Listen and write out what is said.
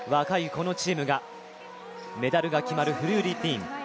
このチームがメダルが決まるフリールーティン。